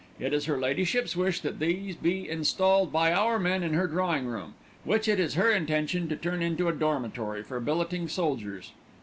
It is her Ladyship's wish that these be installed by our men in her drawing room, which it is her intention to turn into a dormitory for billeting soldiers.